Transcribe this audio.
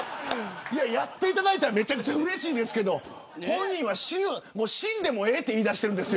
やっていただいたらめちゃくちゃうれしいですけど本人は死んでもええって言いだしてるんです。